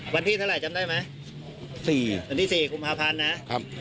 วันที่เท่าไหร่จำได้ไหมสี่วันที่สี่กุมภาพันธ์นะครับ